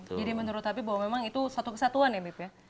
oke jadi menurut tapi bahwa memang itu satu kesatuan ya bib ya